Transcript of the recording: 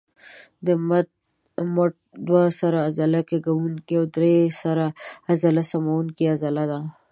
د مټ دوه سره عضله کږوونکې او درې سره عضله سموونکې عضله ده.